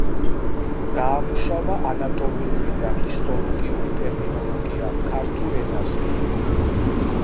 დაამუშავა ანატომიური და ჰისტოლოგიური ტერმინოლოგია ქართულ ენაზე.